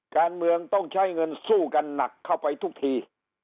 การเมืองต้องใช้เงินสู้กันหนักเข้าไปทุกที